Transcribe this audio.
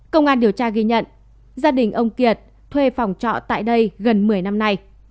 công an điều tra ghi nhận gia đình ông kiệt thuê phòng trọ tại đây gần một mươi năm nay